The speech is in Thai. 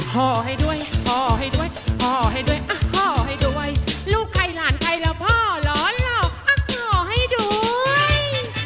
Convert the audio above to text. พ่อให้ด้วยพ่อให้ด้วยพ่อให้ด้วยอ่ะพ่อให้ด้วยลูกใครหลานใครแล้วพ่อร้อนหรอกพ่อให้ด้วย